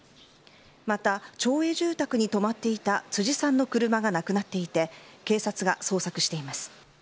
また、町営住宅に止まっていた辻さんの車がなくなっていて警察が捜索しています。